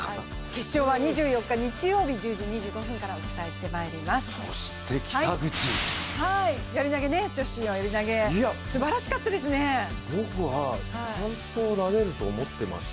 決勝は２４日１０時２５分からお伝えしていきます。